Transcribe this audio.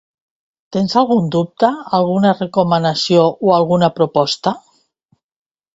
Tens algun dubte, alguna recomanació o alguna proposta?